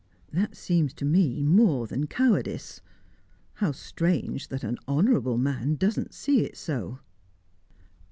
That seems to me more than cowardice. How strange that an honourable man doesn't see it so!"